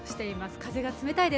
風が冷たいです。